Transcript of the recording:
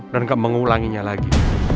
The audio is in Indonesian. dan gak mengulanginya lagi